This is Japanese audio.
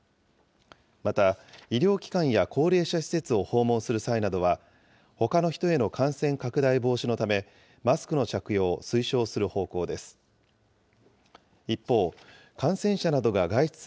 また、医療機関や高齢者施設を訪問する際などは、ほかの人への感染拡大防止のため、マスクの着用を推奨する方向です。